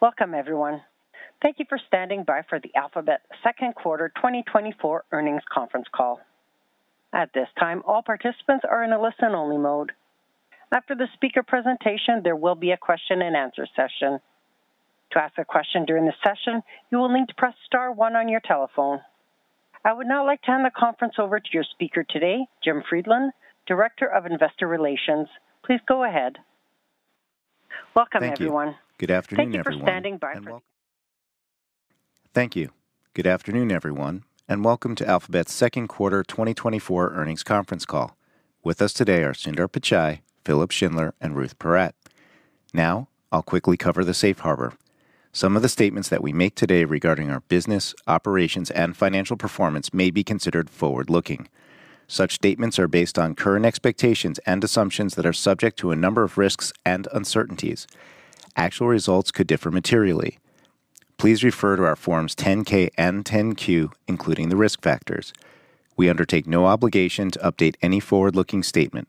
Welcome, everyone. Thank you for standing by for the Alphabet Second Quarter 2024 earnings conference call. At this time, all participants are in a listen-only mode. After the speaker presentation, there will be a question-and-answer session. To ask a question during the session, you will need to press star one on your telephone. I would now like to hand the conference over to your speaker today, Jim Friedland, Director of Investor Relations. Please go ahead. Welcome, everyone. Thank you. Good afternoon, everyone. Thank you for standing by for the. Thank you. Good afternoon, everyone, and welcome to Alphabet's Second Quarter 2024 earnings conference call. With us today are Sundar Pichai, Philipp Schindler, and Ruth Porat. Now, I'll quickly cover the Safe Harbor. Some of the statements that we make today regarding our business, operations, and financial performance may be considered forward-looking. Such statements are based on current expectations and assumptions that are subject to a number of risks and uncertainties. Actual results could differ materially. Please refer to our Forms 10-K and 10-Q, including the risk factors. We undertake no obligation to update any forward-looking statement.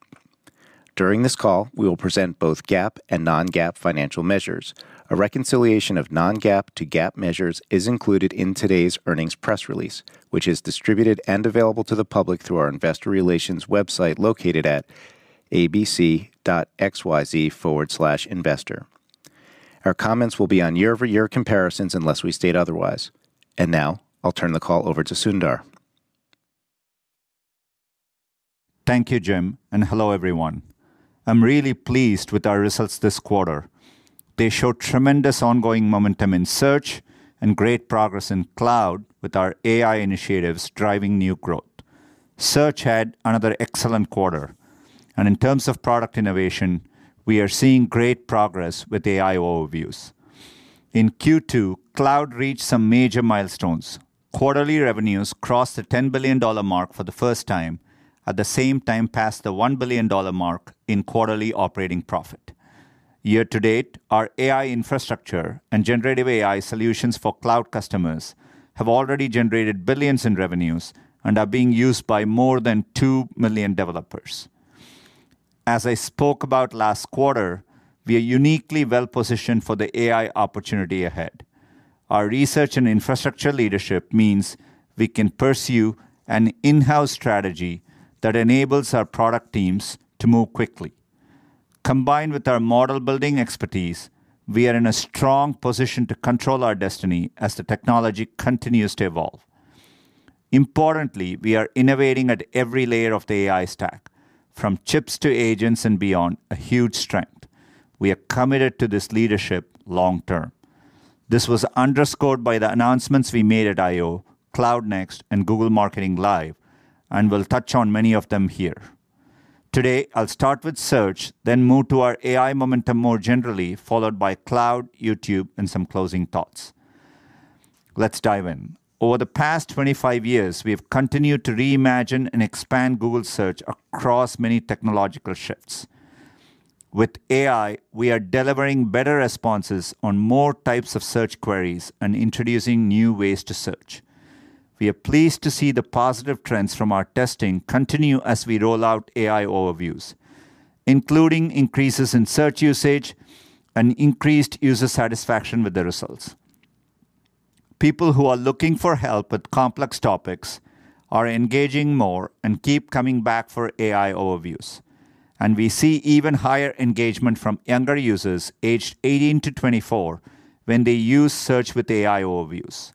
During this call, we will present both GAAP and non-GAAP financial measures. A reconciliation of non-GAAP to GAAP measures is included in today's earnings press release, which is distributed and available to the public through our Investor Relations website located at abc.xyz/investor. Our comments will be on year-over-year comparisons unless we state otherwise. Now, I'll turn the call over to Sundar. Thank you, Jim, and hello, everyone. I'm really pleased with our results this quarter. They show tremendous ongoing momentum in Search and great progress in Cloud with our AI initiatives driving new growth. Search had another excellent quarter, and in terms of product innovation, we are seeing great progress with AI Overviews. In Q2, Cloud reached some major milestones. Quarterly revenues crossed the $10 billion mark for the first time, at the same time, past the $1 billion mark in quarterly operating profit. Year to date, our AI infrastructure and generative AI solutions for Cloud customers have already generated billions in revenues and are being used by more than 2 million developers. As I spoke about last quarter, we are uniquely well-positioned for the AI opportunity ahead. Our research and infrastructure leadership means we can pursue an in-house strategy that enables our product teams to move quickly. Combined with our model-building expertise, we are in a strong position to control our destiny as the technology continues to evolve. Importantly, we are innovating at every layer of the AI stack, from chips to agents and beyond, a huge strength. We are committed to this leadership long-term. This was underscored by the announcements we made at I/O, Cloud Next, and Google Marketing Live, and we'll touch on many of them here. Today, I'll start with Search, then move to our AI momentum more generally, followed by Cloud, YouTube, and some closing thoughts. Let's dive in. Over the past 25 years, we have continued to reimagine and expand Google Search across many technological shifts. With AI, we are delivering better responses on more types of search queries and introducing new ways to search. We are pleased to see the positive trends from our testing continue as we roll out AI Overviews, including increases in Search usage and increased user satisfaction with the results. People who are looking for help with complex topics are engaging more and keep coming back for AI Overviews. And we see even higher engagement from younger users aged 18-24 when they use Search with AI Overviews.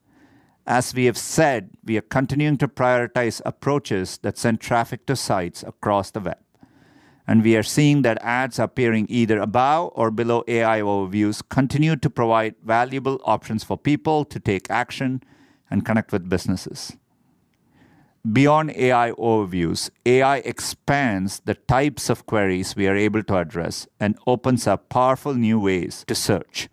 As we have said, we are continuing to prioritize approaches that send traffic to sites across the web. And we are seeing that ads appearing either above or below AI Overviews continue to provide valuable options for people to take action and connect with businesses. Beyond AI Overviews, AI expands the types of queries we are able to address and opens up powerful new ways to search.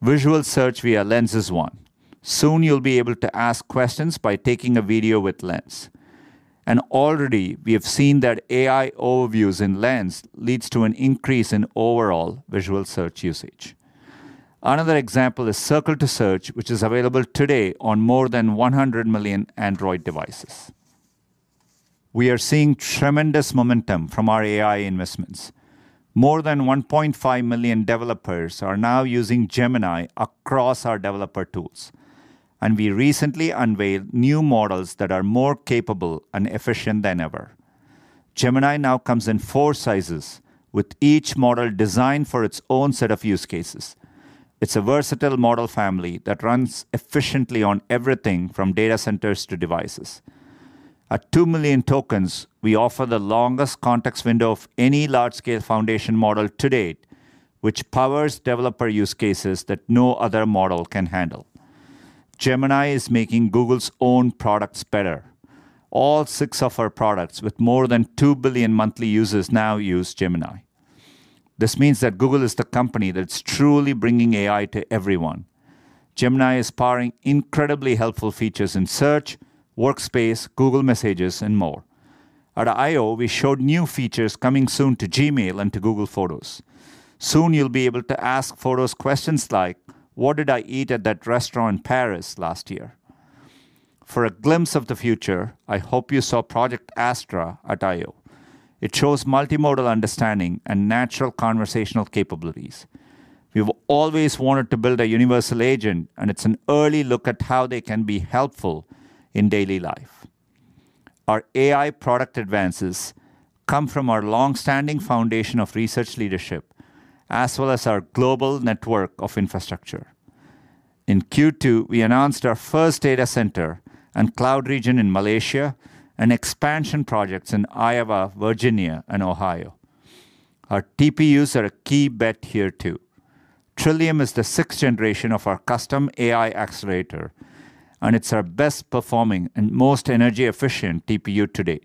Visual search via Lens is one. Soon, you'll be able to ask questions by taking a video with Lens. And already, we have seen that AI Overviews in Lens lead to an increase in overall visual search usage. Another example is Circle to Search, which is available today on more than 100 million Android devices. We are seeing tremendous momentum from our AI investments. More than 1.5 million developers are now using Gemini across our developer tools. And we recently unveiled new models that are more capable and efficient than ever. Gemini now comes in four sizes, with each model designed for its own set of use cases. It's a versatile model family that runs efficiently on everything from data centers to devices. At 2 million tokens, we offer the longest context window of any large-scale foundation model to date, which powers developer use cases that no other model can handle. Gemini is making Google's own products better. All six of our products with more than 2 billion monthly users now use Gemini. This means that Google is the company that's truly bringing AI to everyone. Gemini is powering incredibly helpful features in Search, Workspace, Google Messages, and more. At I/O, we showed new features coming soon to Gmail and to Google Photos. Soon, you'll be able to ask Photos questions like, "What did I eat at that restaurant in Paris last year?" For a glimpse of the future, I hope you saw Project Astra at I/O. It shows multimodal understanding and natural conversational capabilities. We've always wanted to build a universal agent, and it's an early look at how they can be helpful in daily life. Our AI product advances come from our long-standing foundation of research leadership, as well as our global network of infrastructure. In Q2, we announced our first data center and Cloud region in Malaysia and expansion projects in Iowa, Virginia, and Ohio. Our TPUs are a key bet here too. Trillium is the sixth generation of our custom AI accelerator, and it's our best-performing and most energy-efficient TPU to date.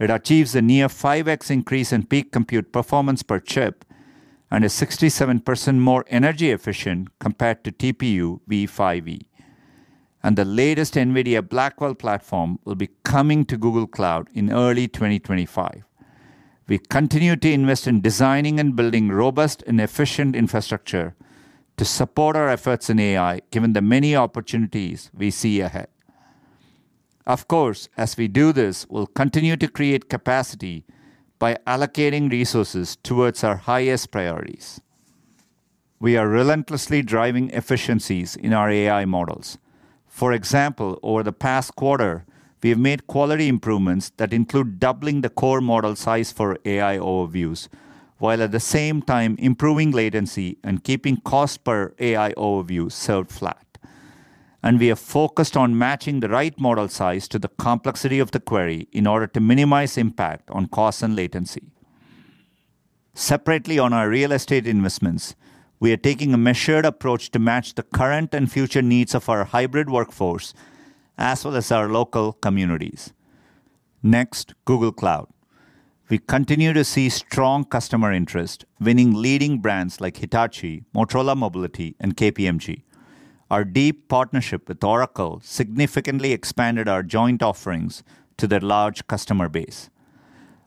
It achieves a near 5x increase in peak compute performance per chip and is 67% more energy-efficient compared to TPU v5e, and the latest NVIDIA Blackwell platform will be coming to Google Cloud in early 2025. We continue to invest in designing and building robust and efficient infrastructure to support our efforts in AI, given the many opportunities we see ahead. Of course, as we do this, we'll continue to create capacity by allocating resources towards our highest priorities. We are relentlessly driving efficiencies in our AI models. For example, over the past quarter, we have made quality improvements that include doubling the core model size for AI Overviews, while at the same time improving latency and keeping cost per AI Overviews served flat. And we have focused on matching the right model size to the complexity of the query in order to minimize impact on cost and latency. Separately, on our real estate investments, we are taking a measured approach to match the current and future needs of our hybrid workforce, as well as our local communities. Next, Google Cloud. We continue to see strong customer interest, winning leading brands like Hitachi, Motorola Mobility, and KPMG. Our deep partnership with Oracle significantly expanded our joint offerings to their large customer base.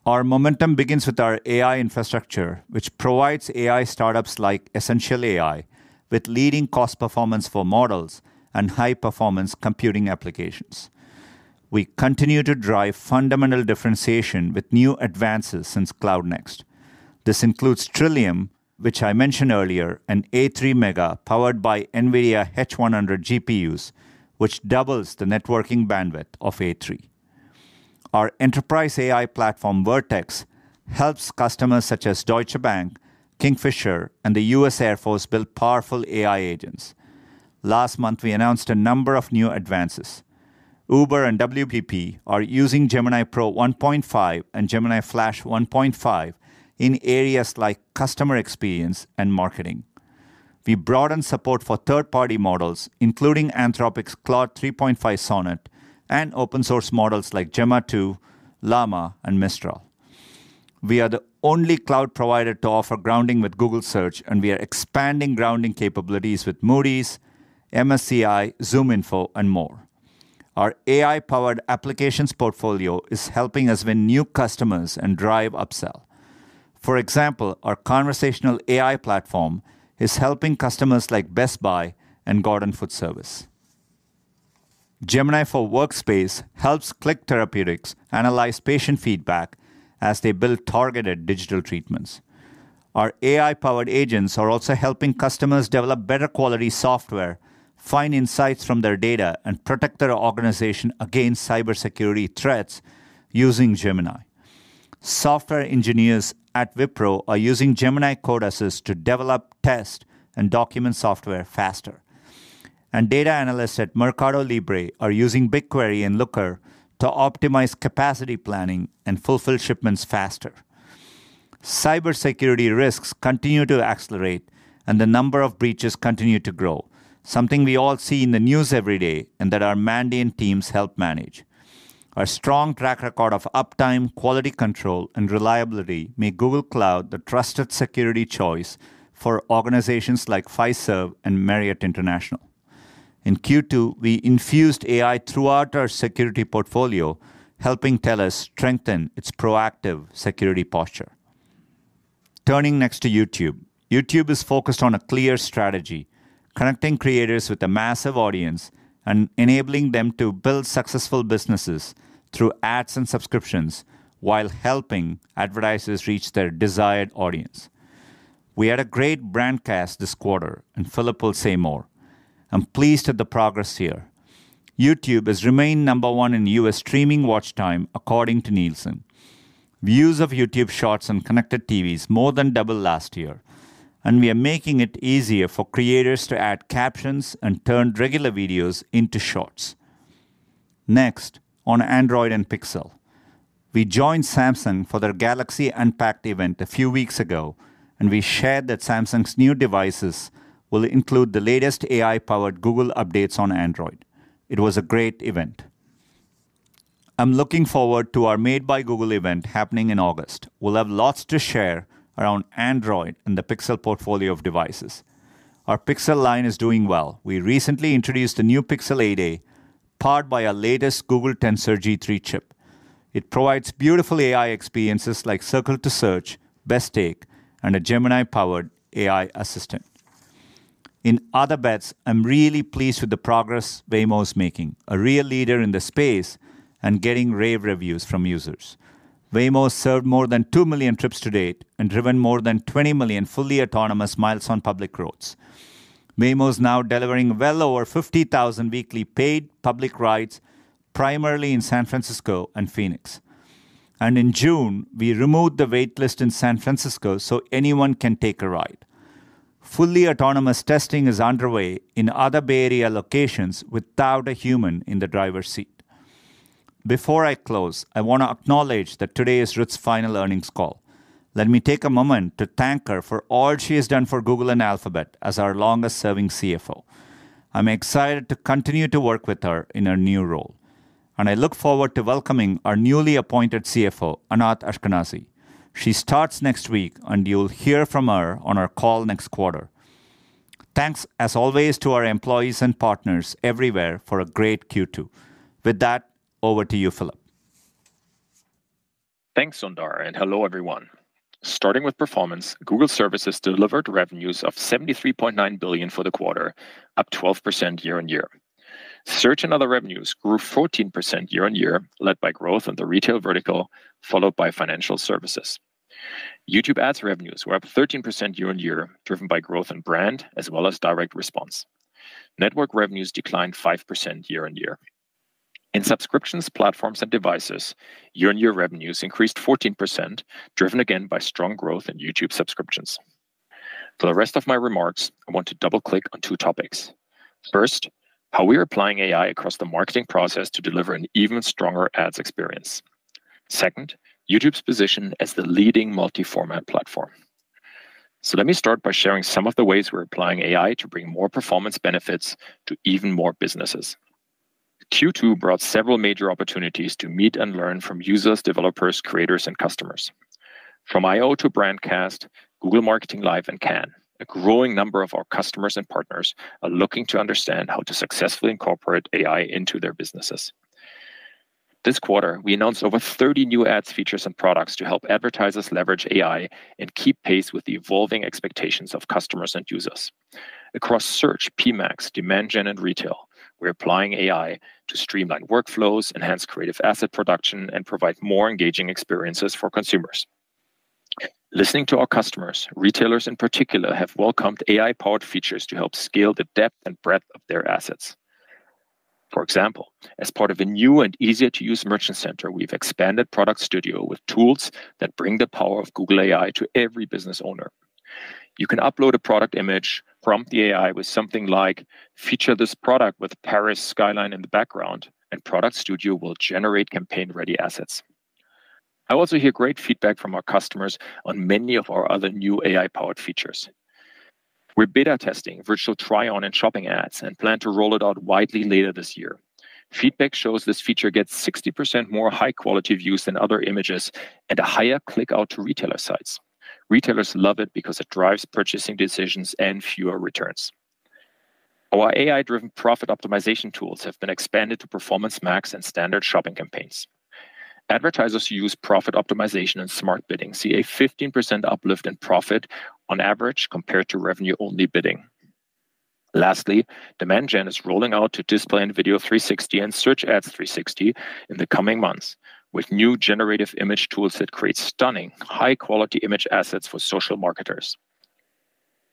Our momentum begins with our AI infrastructure, which provides AI startups like Essential AI with leading cost performance for models and high-performance computing applications. We continue to drive fundamental differentiation with new advances since Cloud Next. This includes Trillium, which I mentioned earlier, and A3 Mega powered by NVIDIA H100 GPUs, which doubles the networking bandwidth of A3. Our enterprise AI platform, Vertex, helps customers such as Deutsche Bank, Kingfisher, and the U.S. Air Force build powerful AI agents. Last month, we announced a number of new advances. Uber and WPP are using Gemini Pro 1.5 and Gemini Flash 1.5 in areas like customer experience and marketing. We broaden support for third-party models, including Anthropic's Claude 3.5 Sonnet and open-source models like Gemma 2, Llama, and Mistral. We are the only Cloud provider to offer grounding with Google Search, and we are expanding grounding capabilities with Moody's, MSCI, ZoomInfo, and more. Our AI-powered applications portfolio is helping us win new customers and drive upsell. For example, our conversational AI platform is helping customers like Best Buy and Gordon Food Service. Gemini for Workspace helps Click Therapeutics analyze patient feedback as they build targeted digital treatments. Our AI-powered agents are also helping customers develop better-quality software, find insights from their data, and protect their organization against cybersecurity threats using Gemini. Software engineers at Wipro are using Gemini Code Assist to develop, test, and document software faster. And data analysts at MercadoLibre are using BigQuery and Looker to optimize capacity planning and fulfill shipments faster. Cybersecurity risks continue to accelerate, and the number of breaches continue to grow, something we all see in the news every day and that our Mandiant teams help manage. Our strong track record of uptime, quality control, and reliability make Google Cloud the trusted security choice for organizations like Fiserv and Marriott International. In Q2, we infused AI throughout our security portfolio, helping TELUS strengthen its proactive security posture. Turning next to YouTube, YouTube is focused on a clear strategy: connecting creators with a massive audience and enabling them to build successful businesses through ads and subscriptions while helping advertisers reach their desired audience. We had a great Brandcast this quarter, and Philipp will say more. I'm pleased with the progress here. YouTube has remained number one in U.S. streaming watch time, according to Nielsen. Views of YouTube Shorts and connected TVs more than doubled last year, and we are making it easier for creators to add captions and turn regular videos into Shorts. Next, on Android and Pixel, we joined Samsung for their Galaxy Unpacked event a few weeks ago, and we shared that Samsung's new devices will include the latest AI-powered Google updates on Android. It was a great event. I'm looking forward to our Made by Google event happening in August. We'll have lots to share around Android and the Pixel portfolio of devices. Our Pixel line is doing well. We recently introduced the new Pixel 8a, powered by our latest Google Tensor G3 chip. It provides beautiful AI experiences like Circle to Search, Best Take, and a Gemini-powered AI assistant. In Other Bets, I'm really pleased with the progress Waymo is making, a real leader in the space and getting rave reviews from users. Waymo has served more than 2 million trips to date and driven more than 20 million fully autonomous miles on public roads. Waymo is now delivering well over 50,000 weekly paid public rides, primarily in San Francisco and Phoenix. And in June, we removed the waitlist in San Francisco so anyone can take a ride. Fully autonomous testing is underway in other Bay Area locations without a human in the driver's seat. Before I close, I want to acknowledge that today is Ruth's final earnings call. Let me take a moment to thank her for all she has done for Google and Alphabet as our longest-serving CFO. I'm excited to continue to work with her in her new role. And I look forward to welcoming our newly appointed CFO, Anat Ashkenazi. She starts next week, and you'll hear from her on our call next quarter. Thanks, as always, to our employees and partners everywhere for a great Q2. With that, over to you, Philipp. Thanks, Sundar, and hello, everyone. Starting with performance, Google Services delivered revenues of $73.9 billion for the quarter, up 12% year-on-year. Search and other revenues grew 14% year-on-year, led by growth in the retail vertical, followed by financial services. YouTube Ads revenues were up 13% year-on-year, driven by growth in brand as well as direct response. Network revenues declined 5% year-on-year. In Subscriptions, Platforms, and Devices, year-on-year revenues increased 14%, driven again by strong growth in YouTube subscriptions. For the rest of my remarks, I want to double-click on two topics. First, how we are applying AI across the marketing process to deliver an even stronger ads experience. Second, YouTube's position as the leading multi-format platform. So let me start by sharing some of the ways we're applying AI to bring more performance benefits to even more businesses. Q2 brought several major opportunities to meet and learn from users, developers, creators, and customers. From I/O to Brandcast, Google Marketing Live, and Cannes, a growing number of our customers and partners are looking to understand how to successfully incorporate AI into their businesses. This quarter, we announced over 30 new Ads, features, and products to help advertisers leverage AI and keep pace with the evolving expectations of customers and users. Across Search, PMax, Demand Gen, and Retail, we're applying AI to streamline workflows, enhance creative asset production, and provide more engaging experiences for consumers. Listening to our customers, retailers in particular, have welcomed AI-powered features to help scale the depth and breadth of their assets. For example, as part of a new and easier-to-use Merchant Center, we've expanded Product Studio with tools that bring the power of Google AI to every business owner. You can upload a product image, prompt the AI with something like, "Feature this product with Paris skyline in the background," and Product Studio will generate campaign-ready assets. I also hear great feedback from our customers on many of our other new AI-powered features. We're beta testing virtual try-on in Shopping ads and plan to roll it out widely later this year. Feedback shows this feature gets 60% more high-quality views than other images and a higher click-out to retailer sites. Retailers love it because it drives purchasing decisions and fewer returns. Our AI-driven profit optimization tools have been expanded to Performance Max and standard shopping campaigns. Advertisers who use profit optimization and Smart Bidding see a 15% uplift in profit on average compared to revenue-only bidding. Lastly, Demand Gen is rolling out to Display & Video 360 and Search Ads 360 in the coming months, with new generative image tools that create stunning, high-quality image assets for social marketers.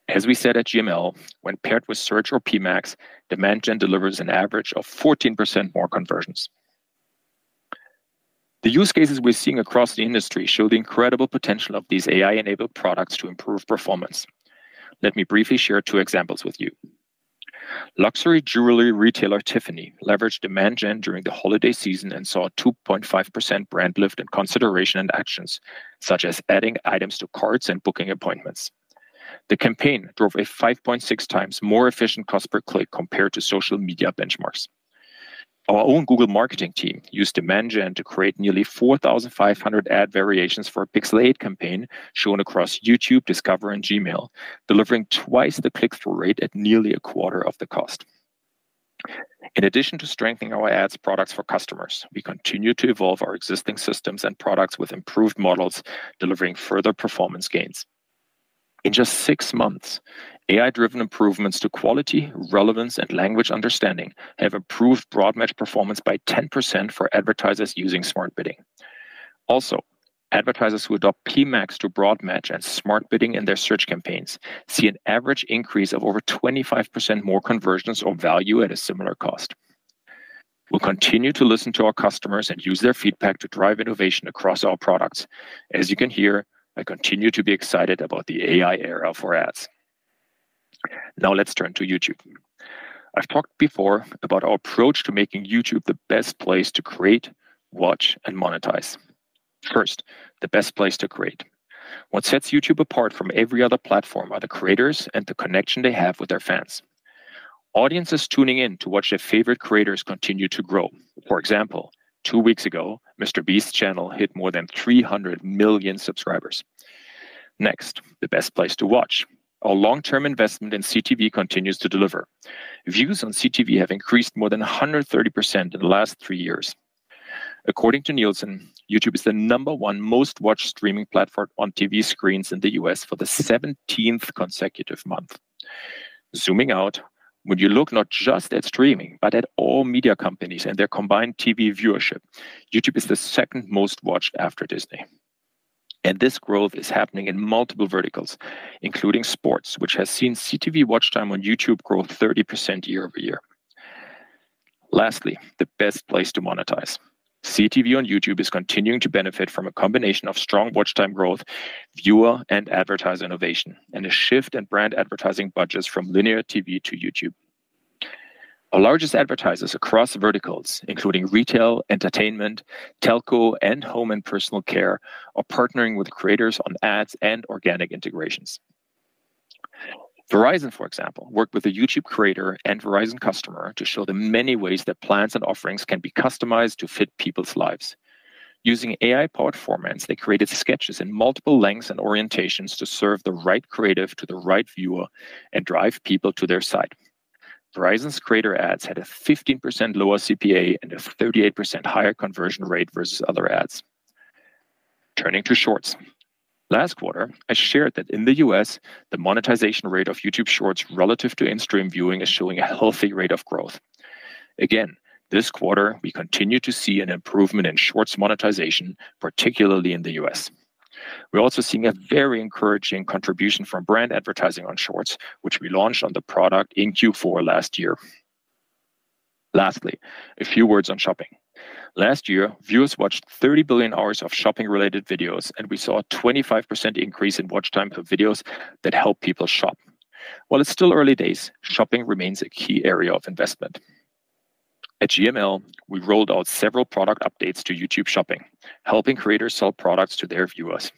As we said at GML, when paired with Search or PMax, Demand Gen delivers an average of 14% more conversions. The use cases we're seeing across the industry show the incredible potential of these AI-enabled products to improve performance. Let me briefly share two examples with you. Luxury jewelry retailer Tiffany leveraged Demand Gen during the holiday season and saw a 2.5% brand lift in consideration and actions, such as adding items to carts and booking appointments. The campaign drove a 5.6 times more efficient cost per click compared to social media benchmarks. Our own Google Marketing team used Demand Gen to create nearly 4,500 ad variations for a Pixel 8 campaign shown across YouTube, Discover, and Gmail, delivering twice the click-through rate at nearly 1/4 of the cost. In addition to strengthening our ads products for customers, we continue to evolve our existing systems and products with improved models, delivering further performance gains. In just six months, AI-driven improvements to quality, relevance, and language understanding have improved broad match performance by 10% for advertisers using Smart Bidding. Also, advertisers who adopt PMax to broad match and Smart Bidding in their search campaigns see an average increase of over 25% more conversions or value at a similar cost. We'll continue to listen to our customers and use their feedback to drive innovation across our products. As you can hear, I continue to be excited about the AI era for ads. Now let's turn to YouTube. I've talked before about our approach to making YouTube the best place to create, watch, and monetize. First, the best place to create. What sets YouTube apart from every other platform are the creators and the connection they have with their fans. Audiences tuning in to watch their favorite creators continue to grow. For example, two weeks ago, MrBeast's channel hit more than 300 million subscribers. Next, the best place to watch. Our long-term investment in CTV continues to deliver. Views on CTV have increased more than 130% in the last three years. According to Nielsen, YouTube is the number one most-watched streaming platform on TV screens in the U.S. for the 17th consecutive month. Zooming out, when you look not just at streaming, but at all media companies and their combined TV viewership, YouTube is the second most-watched after Disney. This growth is happening in multiple verticals, including Sports, which has seen CTV watch time on YouTube grow 30% year-over-year. Lastly, the best place to monetize CTV on YouTube is continuing to benefit from a combination of strong watch time growth, viewer and advertiser innovation, and a shift in brand advertising budgets from linear TV to YouTube. Our largest advertisers across verticals, including retail, entertainment, telco, and home and personal care, are partnering with creators on ads and organic integrations. Verizon, for example, worked with a YouTube creator and Verizon customer to show the many ways that plans and offerings can be customized to fit people's lives. Using AI-powered formats, they created sketches in multiple lengths and orientations to serve the right creative to the right viewer and drive people to their site. Verizon's creator ads had a 15% lower CPA and a 38% higher conversion rate versus other ads. Turning to Shorts. Last quarter, I shared that in the U.S., the monetization rate of YouTube Shorts relative to in-stream viewing is showing a healthy rate of growth. Again, this quarter, we continue to see an improvement in Shorts monetization, particularly in the U.S. We're also seeing a very encouraging contribution from brand advertising on Shorts, which we launched on the product in Q4 last year. Lastly, a few words on Shopping. Last year, viewers watched 30 billion hours of shopping-related videos, and we saw a 25% increase in watch time for videos that help people shop. While it's still early days, shopping remains a key area of investment. At GML, we rolled out several product updates to YouTube Shopping, helping creators sell products to their viewers.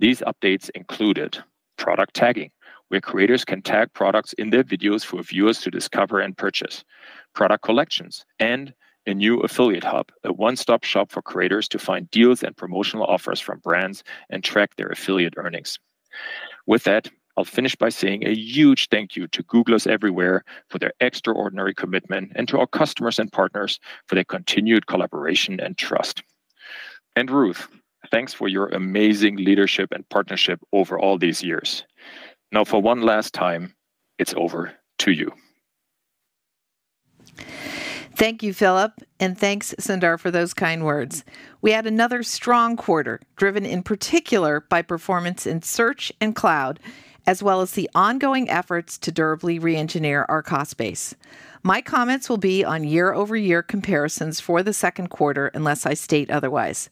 These updates included product tagging, where creators can tag products in their videos for viewers to discover and purchase, product collections, and a new Affiliate Hub, a one-stop shop for creators to find deals and promotional offers from brands and track their affiliate earnings. With that, I'll finish by saying a huge thank you to Googlers everywhere for their extraordinary commitment and to our customers and partners for their continued collaboration and trust, and Ruth, thanks for your amazing leadership and partnership over all these years. Now, for one last time, it's over to you. Thank you, Philipp, and thanks, Sundar, for those kind words. We had another strong quarter, driven in particular by performance in Search and Cloud, as well as the ongoing efforts to durably re-engineer our cost base. My comments will be on year-over-year comparisons for the second quarter, unless I state otherwise.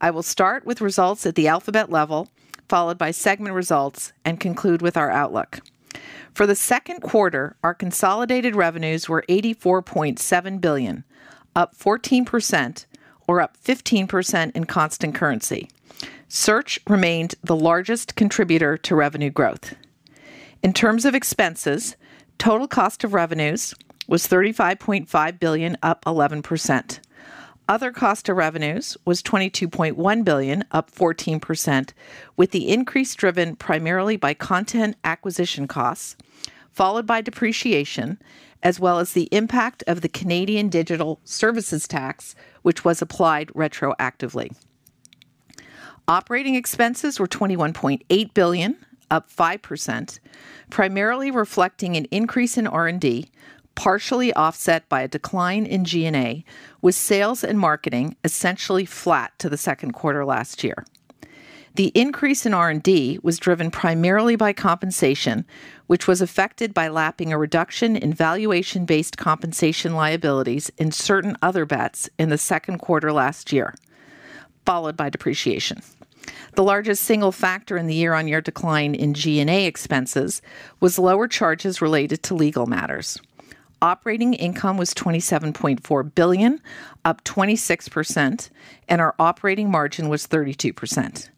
I will start with results at the Alphabet level, followed by segment results, and conclude with our outlook. For the second quarter, our consolidated revenues were $84.7 billion, up 14%, or up 15% in constant currency. Search remained the largest contributor to revenue growth. In terms of expenses, total cost of revenues was $35.5 billion, up 11%. Other cost of revenues was $22.1 billion, up 14%, with the increase driven primarily by content acquisition costs, followed by depreciation, as well as the impact of the Canadian Digital Services Tax, which was applied retroactively. Operating expenses were $21.8 billion, up 5%, primarily reflecting an increase in R&D, partially offset by a decline in G&A, with sales and marketing essentially flat to the second quarter last year. The increase in R&D was driven primarily by compensation, which was affected by lapping a reduction in valuation-based compensation liabilities in certain Other Bets in the second quarter last year, followed by depreciation. The largest single factor in the year-on-year decline in G&A expenses was lower charges related to legal matters. Operating income was $27.4 billion, up 26%, and our operating margin was 32%.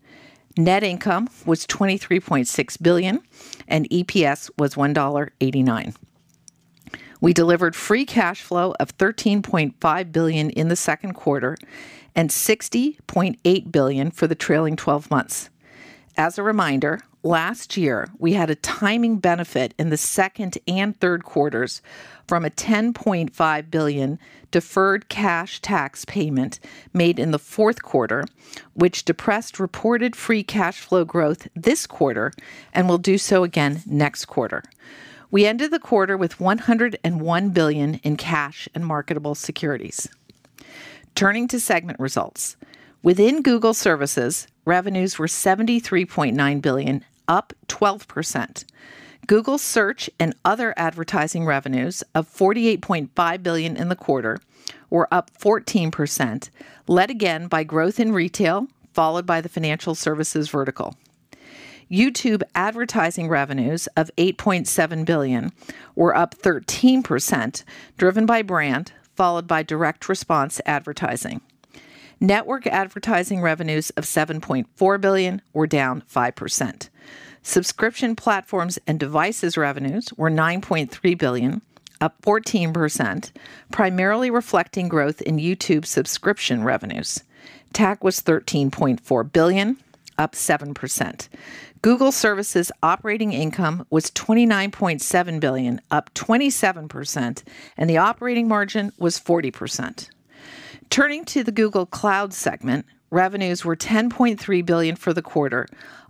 Net income was $23.6 billion, and EPS was $1.89. We delivered free cash flow of $13.5 billion in the second quarter and $60.8 billion for the trailing 12 months. As a reminder, last year, we had a timing benefit in the second and third quarters from a $10.5 billion deferred cash tax payment made in the fourth quarter, which depressed reported free cash flow growth this quarter and will do so again next quarter. We ended the quarter with $101 billion in cash and marketable securities. Turning to segment results, within Google Services, revenues were $73.9 billion, up 12%. Google Search & Other advertising revenues of $48.5 billion in the quarter were up 14%, led again by growth in Retail, followed by the Financial Services vertical. YouTube advertising revenues of $8.7 billion were up 13%, driven by brand, followed by direct response advertising. Network advertising revenues of $7.4 billion were down 5%. Subscription, Platforms, and Devices revenues were $9.3 billion, up 14%, primarily reflecting growth in YouTube subscription revenues. TAC was $13.4 billion, up 7%. Google Services operating income was $29.7 billion, up 27%, and the operating margin was 40%. Turning to the Google Cloud segment, revenues were $10.3 billion for the quarter,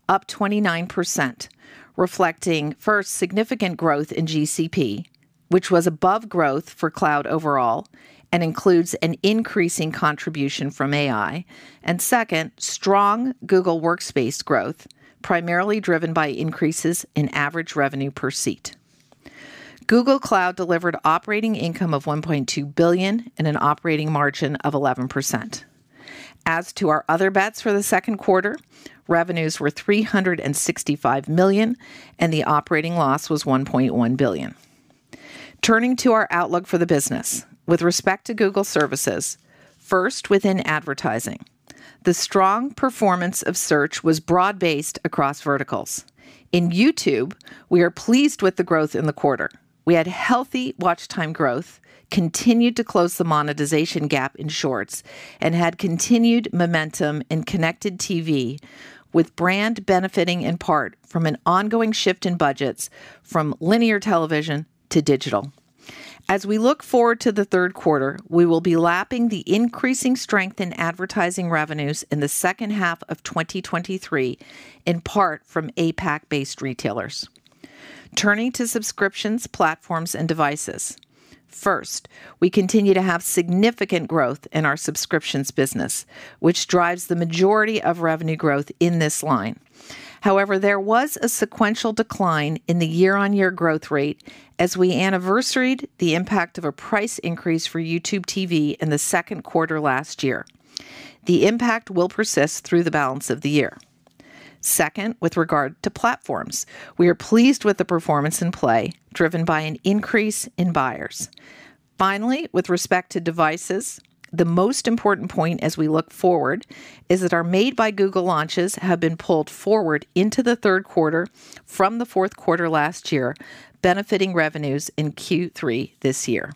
up 29%, reflecting first, significant growth in GCP, which was above growth for Cloud overall and includes an increasing contribution from AI, and second, strong Google Workspace growth, primarily driven by increases in average revenue per seat. Google Cloud delivered operating income of $1.2 billion and an operating margin of 11%. As to our Other Bets for the second quarter, revenues were $365 million, and the operating loss was $1.1 billion. Turning to our outlook for the business, with respect to Google Services. First within Advertising, the strong performance of Search was broad-based across verticals. In YouTube, we are pleased with the growth in the quarter. We had healthy watch time growth, continued to close the monetization gap in Shorts, and had continued momentum in connected TV, with brand benefiting in part from an ongoing shift in budgets from linear television to digital. As we look forward to the third quarter, we will be lapping the increasing strength in advertising revenues in the second half of 2023, in part from APAC-based retailers. Turning to Subscriptions, Platforms, and Devices. First, we continue to have significant growth in our subscriptions business, which drives the majority of revenue growth in this line. However, there was a sequential decline in the year-on-year growth rate as we anniversaried the impact of a price increase for YouTube TV in the second quarter last year. The impact will persist through the balance of the year. Second, with regard to Platforms, we are pleased with the performance in Play, driven by an increase in buyers. Finally, with respect to Devices, the most important point as we look forward is that our Made by Google launches have been pulled forward into the third quarter from the fourth quarter last year, benefiting revenues in Q3 this year.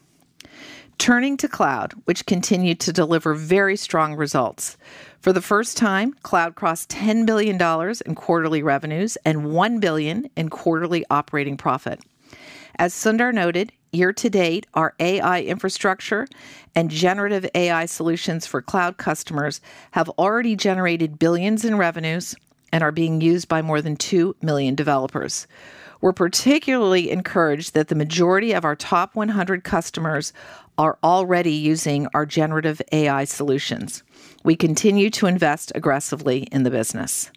Turning to Cloud, which continued to deliver very strong results. For the first time, Cloud crossed $10 billion in quarterly revenues and $1 billion in quarterly operating profit. As year to date, our AI infrastructure and generative AI solutions for Cloud customers have already generated billions in revenues and are being used by more than 2 million developers. We're particularly encouraged that the majority of our top 100 customers are already using our generative AI solutions. We continue to invest aggressively in the business.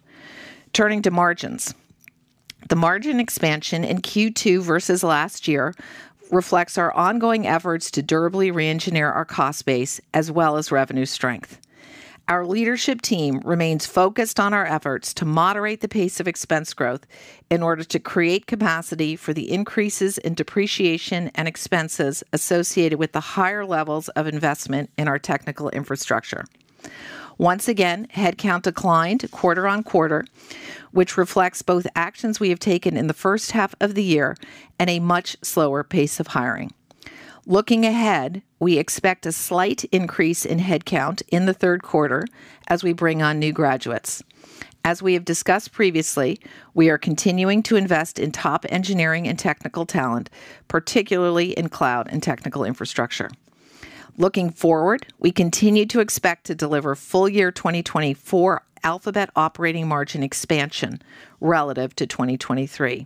Turning to margins, the margin expansion in Q2 versus last year reflects our ongoing efforts to durably re-engineer our cost base as well as revenue strength. Our leadership team remains focused on our efforts to moderate the pace of expense growth in order to create capacity for the increases in depreciation and expenses associated with the higher levels of investment in our technical infrastructure. Once again, headcount declined quarter on quarter, which reflects both actions we have taken in the first half of the year and a much slower pace of hiring. Looking ahead, we expect a slight increase in headcount in the third quarter as we bring on new graduates. As we have discussed previously, we are continuing to invest in top engineering and technical talent, particularly in Cloud and Technical Infrastructure. Looking forward, we continue to expect to deliver full-year 2024 Alphabet operating margin expansion relative to 2023.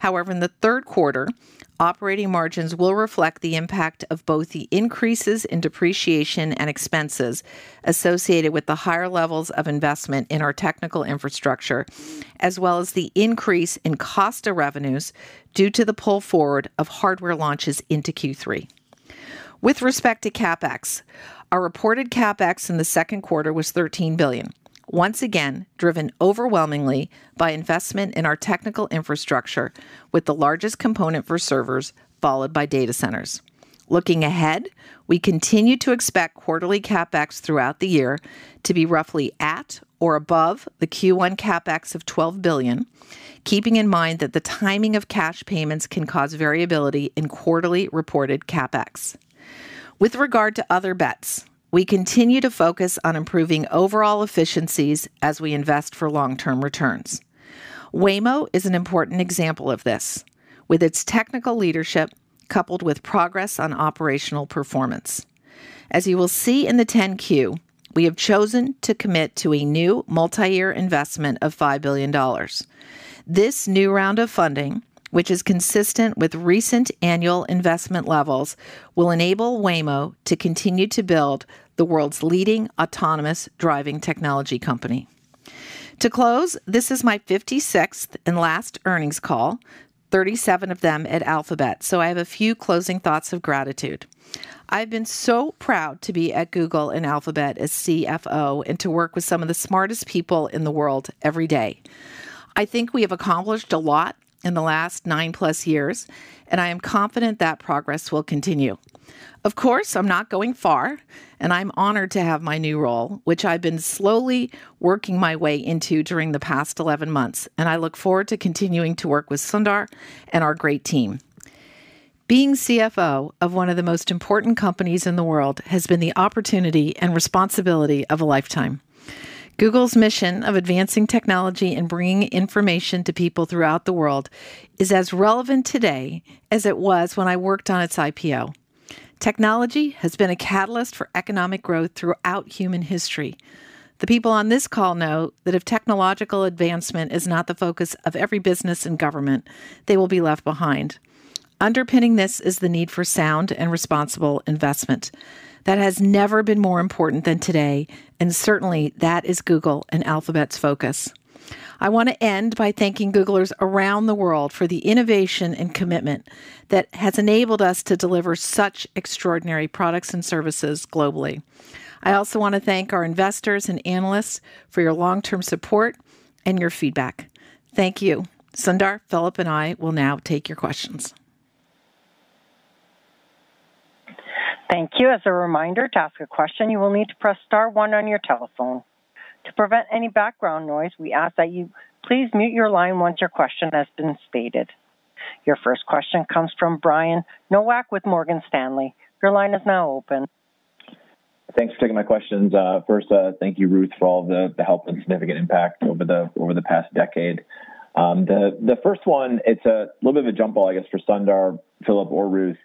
However, in the third quarter, operating margins will reflect the impact of both the increases in depreciation and expenses associated with the higher levels of investment in our technical infrastructure, as well as the increase in cost of revenues due to the pull forward of hardware launches into Q3. With respect to CapEx, our reported CapEx in the second quarter was $13 billion, once again driven overwhelmingly by investment in our technical infrastructure, with the largest component for servers, followed by data centers. Looking ahead, we continue to expect quarterly CapEx throughout the year to be roughly at or above the Q1 CapEx of $12 billion, keeping in mind that the timing of cash payments can cause variability in quarterly reported CapEx. With regard to Other Bets, we continue to focus on improving overall efficiencies as we invest for long-term returns. Waymo is an important example of this, with its technical leadership coupled with progress on operational performance. As you will see in the 10-Q, we have chosen to commit to a new multi-year investment of $5 billion. This new round of funding, which is consistent with recent annual investment levels, will enable Waymo to continue to build the world's leading autonomous driving technology company. To close, this is my 56th and last earnings call, 37 of them at Alphabet, so I have a few closing thoughts of gratitude. I have been so proud to be at Google and Alphabet as CFO and to work with some of the smartest people in the world every day. I think we have accomplished a lot in the last 9+ years, and I am confident that progress will continue. Of course, I'm not going far, and I'm honored to have my new role, which I've been slowly working my way into during the past 11 months, and I look forward to continuing to work with Sundar and our great team. Being CFO of one of the most important companies in the world has been the opportunity and responsibility of a lifetime. Google's mission of advancing technology and bringing information to people throughout the world is as relevant today as it was when I worked on its IPO. Technology has been a catalyst for economic growth throughout human history. The people on this call know that if technological advancement is not the focus of every business and government, they will be left behind. Underpinning this is the need for sound and responsible investment. That has never been more important than today, and certainly, that is Google and Alphabet's focus. I want to end by thanking Googlers around the world for the innovation and commitment that has enabled us to deliver such extraordinary products and services globally. I also want to thank our investors and analysts for your long-term support and your feedback. Thank you. Sundar, Philipp, and I will now take your questions. Thank you. As a reminder to ask a question, you will need to press star one on your telephone. To prevent any background noise, we ask that you please mute your line once your question has been stated. Your first question comes from Brian Nowak with Morgan Stanley. Your line is now open. Thanks for taking my questions. First, thank you, Ruth, for all the help and significant impact over the past decade. The first one, it's a little bit of a jump ball, I guess, for Sundar, Philipp, or Ruth.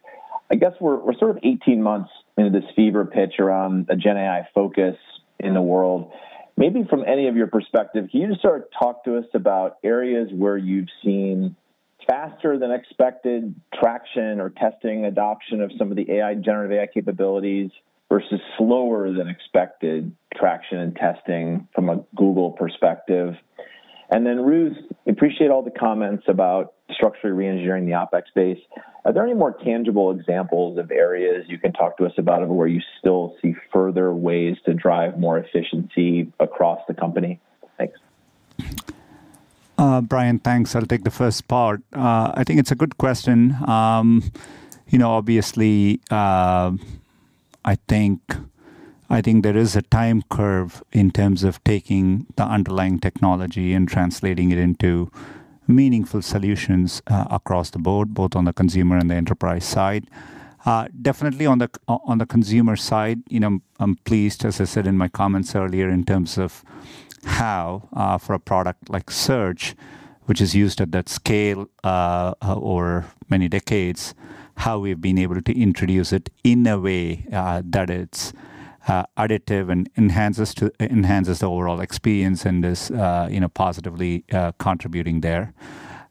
I guess we're sort of 18 months into this fever pitch around a GenAI focus in the world. Maybe from any of your perspective, can you just sort of talk to us about areas where you've seen faster-than-expected traction or testing adoption of some of the generative AI capabilities versus slower-than-expected traction and testing from a Google perspective? And then, Ruth, we appreciate all the comments about structurally re-engineering the OpEx space. Are there any more tangible examples of areas you can talk to us about where you still see further ways to drive more efficiency across the company? Thanks. Brian, thanks. I'll take the first part. I think it's a good question. Obviously, I think there is a time curve in terms of taking the underlying technology and translating it into meaningful solutions across the board, both on the consumer and the enterprise side. Definitely, on the consumer side, I'm pleased, as I said in my comments earlier, in terms of how, for a product like Search, which is used at that scale over many decades, how we've been able to introduce it in a way that it's additive and enhances the overall experience and is positively contributing there.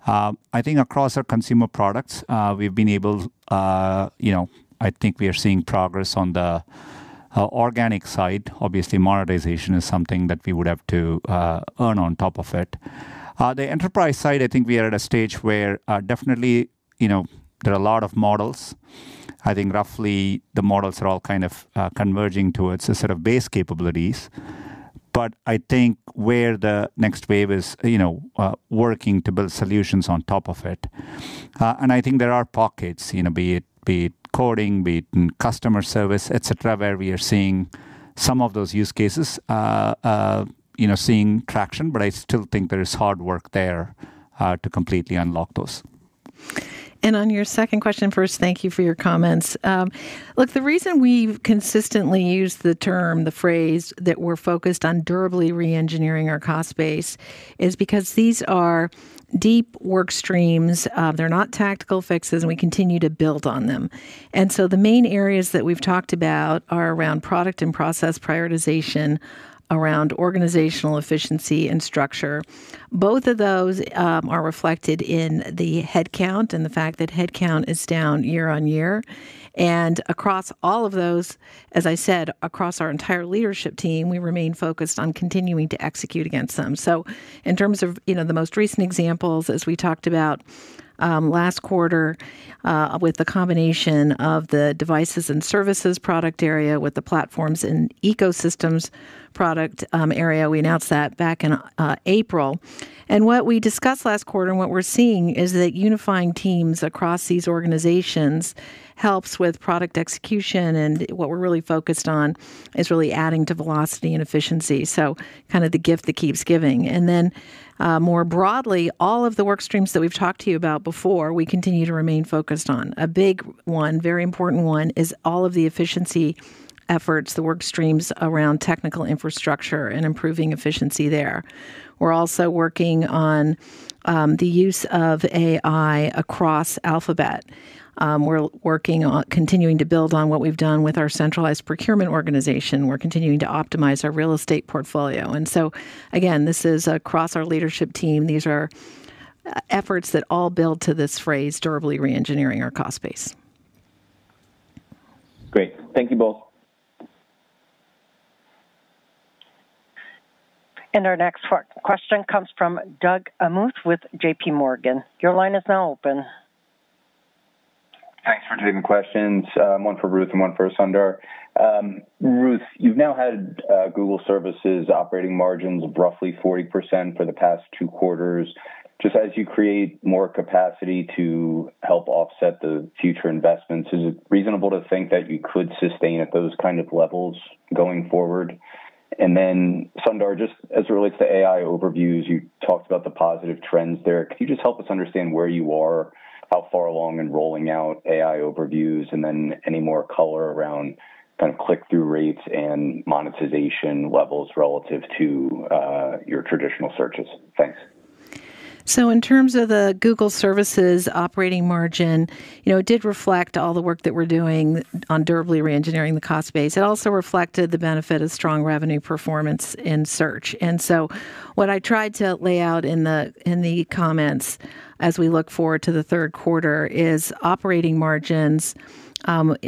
I think across our consumer products, we've been able--I think we are seeing progress on the organic side. Obviously, monetization is something that we would have to earn on top of it. The enterprise side, I think we are at a stage where definitely there are a lot of models. I think roughly the models are all kind of converging towards a set of base capabilities, but I think where the next wave is working to build solutions on top of it. And I think there are pockets, be it coding, be it in customer service, etc., where we are seeing some of those use cases, seeing traction, but I still think there is hard work there to completely unlock those. And on your second question, first, thank you for your comments. Look, the reason we've consistently used the term, the phrase that we're focused on durably re-engineering our cost base is because these are deep work streams. They're not tactical fixes, and we continue to build on them. And so the main areas that we've talked about are around product and process prioritization, around organizational efficiency and structure. Both of those are reflected in the headcount and the fact that headcount is down year-on-year. And across all of those, as I said, across our entire leadership team, we remain focused on continuing to execute against them. So in terms of the most recent examples, as we talked about last quarter with the combination of the devices and services product area with the platforms and ecosystems product area, we announced that back in April. And what we discussed last quarter and what we're seeing is that unifying teams across these organizations helps with product execution, and what we're really focused on is really adding to velocity and efficiency, so kind of the gift that keeps giving. And then more broadly, all of the work streams that we've talked to you about before, we continue to remain focused on. A big one, very important one, is all of the efficiency efforts, the work streams around technical infrastructure and improving efficiency there. We're also working on the use of AI across Alphabet. We're working on continuing to build on what we've done with our centralized procurement organization. We're continuing to optimize our real estate portfolio. And so again, this is across our leadership team. These are efforts that all build to this phrase, durably re-engineering our cost base. Great. Thank you both. And our next question comes from Doug Anmuth with JPMorgan. Your line is now open. Thanks for taking the questions. One for Ruth and one for Sundar. Ruth, you've now had Google Services operating margins of roughly 40% for the past two quarters. Just as you create more capacity to help offset the future investments, is it reasonable to think that you could sustain at those kind of levels going forward? And then Sundar, just as it relates to AI Overviews, you talked about the positive trends there. Can you just help us understand where you are, how far along in rolling out AI Overviews, and then any more color around kind of click-through rates and monetization levels relative to your traditional searches? Thanks. So in terms of the Google Services operating margin, it did reflect all the work that we're doing on durably re-engineering the cost base. It also reflected the benefit of strong revenue performance in Search. And so what I tried to lay out in the comments as we look forward to the third quarter is operating margins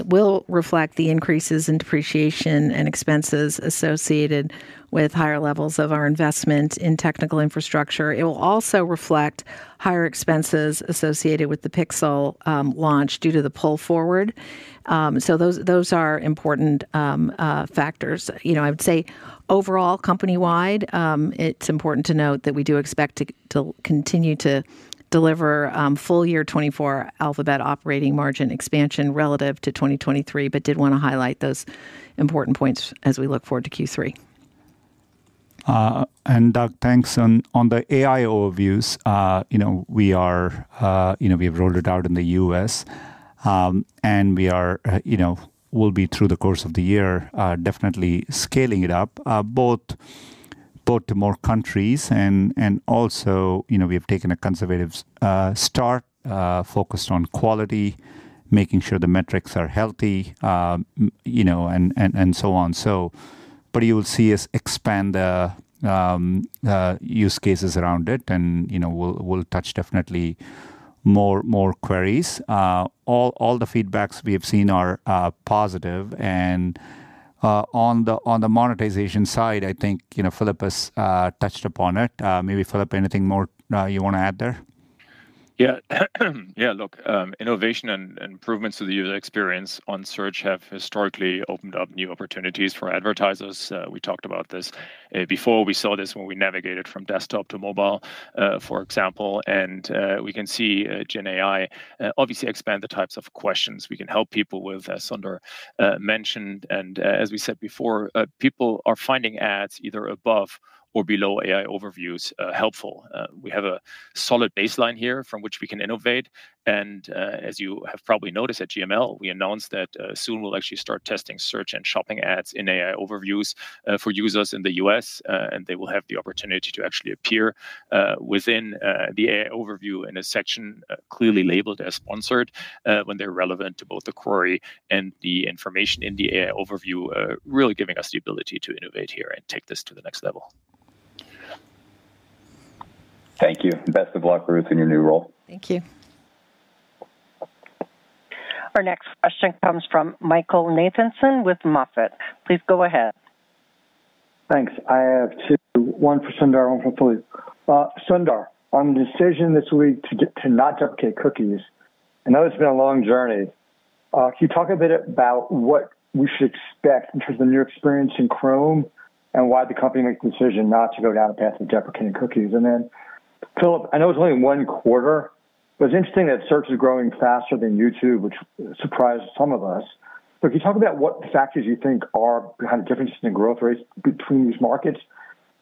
will reflect the increases in depreciation and expenses associated with higher levels of our investment in technical infrastructure. It will also reflect higher expenses associated with the Pixel launch due to the pull forward. So those are important factors. I would say overall, company-wide, it's important to note that we do expect to continue to deliver full-year 2024 Alphabet operating margin expansion relative to 2023, but did want to highlight those important points as we look forward to Q3. And Doug, thanks. On the AI Overviews, we have rolled it out in the U.S., and we will be, through the course of the year, definitely scaling it up, both to more countries and also we have taken a conservative start focused on quality, making sure the metrics are healthy, and so on. But you will see us expand the use cases around it, and we'll touch definitely more queries. All the feedbacks we have seen are positive. And on the monetization side, I think Philipp has touched upon it. Maybe Philipp, anything more you want to add there? Yeah. Yeah, look, innovation and improvements to the user experience on Search have historically opened up new opportunities for advertisers. We talked about this before. We saw this when we navigated from desktop to mobile, for example. And we can see GenAI obviously expand the types of questions. We can help people with, as Sundar mentioned. And as we said before, people are finding ads either above or below AI Overviews helpful. We have a solid baseline here from which we can innovate. And as you have probably noticed at GML, we announced that soon we'll actually start testing Search and Shopping ads in AI Overviews for users in the U.S., and they will have the opportunity to actually appear within the AI Overview in a section clearly labeled as sponsored when they're relevant to both the query and the information in the AI Overview, really giving us the ability to innovate here and take this to the next level. Thank you. Best of luck, Ruth, in your new role. Thank you. Our next question comes from Michael Nathanson with Moffett. Please go ahead. Thanks. I have two, one for Sundar. Sundar, on the decision this week to not deprecate cookies, I know it's been a long journey. Can you talk a bit about what we should expect in terms of the new experience in Chrome and why the company makes the decision not to go down a path of deprecating cookies? And then Philipp, I know it's only one quarter, but it's interesting that Search is growing faster than YouTube, which surprised some of us. But can you talk about what factors you think are behind the differences in growth rates between these markets?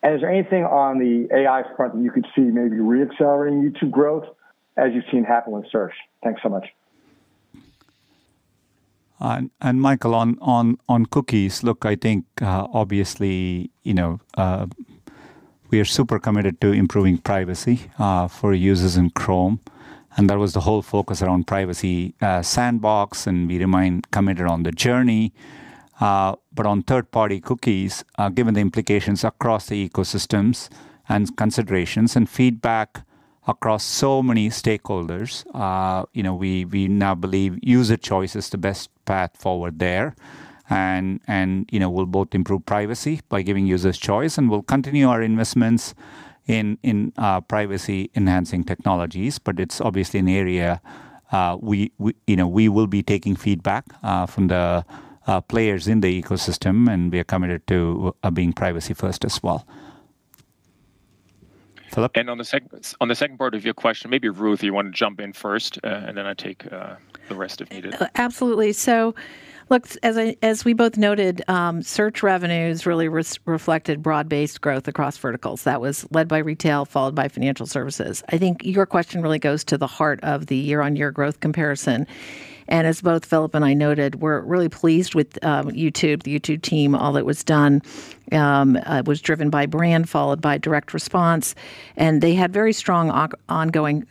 And is there anything on the AI front that you could see maybe re-accelerating YouTube growth as you've seen happen with Search? Thanks so much. And Michael, on cookies, look, I think obviously we are super committed to improving privacy for users in Chrome. And that was the whole focus around Privacy Sandbox, and we remain committed on the journey. But on third-party cookies, given the implications across the ecosystems and considerations and feedback across so many stakeholders, we now believe user choice is the best path forward there. And we'll both improve privacy by giving users choice, and we'll continue our investments in privacy-enhancing technologies. But it's obviously an area we will be taking feedback from the players in the ecosystem, and we are committed to being privacy-first as well. Philipp? And on the second part of your question, maybe Ruth, you want to jump in first, and then I take the rest if needed. Absolutely. So look, as we both noted, Search revenues really reflected broad-based growth across verticals. That was led by Retail, followed by Financial Services. I think your question really goes to the heart of the year-over-year growth comparison. As both Philipp and I noted, we're really pleased with YouTube, the YouTube team. All that was done was driven by brand, followed by direct response. They had very strong ongoing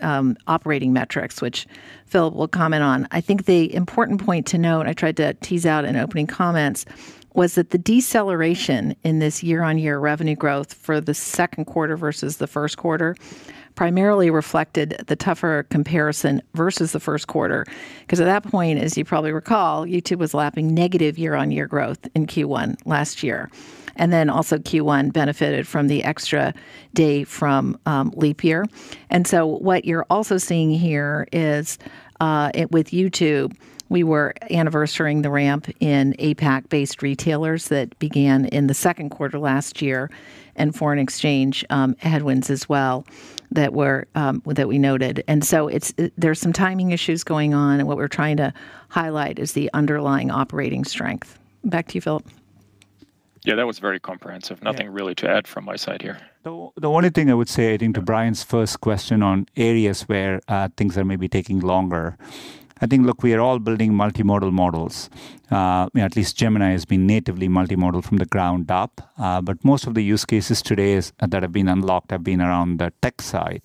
operating metrics, which Philipp will comment on. I think the important point to note, and I tried to tease out in opening comments, was that the deceleration in this year-on-year revenue growth for the second quarter versus the first quarter primarily reflected the tougher comparison versus the first quarter. Because at that point, as you probably recall, YouTube was lapping negative year-on-year growth in Q1 last year. Then also Q1 benefited from the extra day from leap year. What you're also seeing here is with YouTube, we were anniversarying the ramp in APAC-based retailers that began in the second quarter last year and foreign exchange headwinds as well that we noted. And so there's some timing issues going on, and what we're trying to highlight is the underlying operating strength. Back to you, Philipp. Yeah, that was very comprehensive. Nothing really to add from my side here. The only thing I would say, I think, to Brian's first question on areas where things are maybe taking longer, I think, look, we are all building multimodal models. At least Gemini has been natively multimodal from the ground up. But most of the use cases today that have been unlocked have been around the tech side.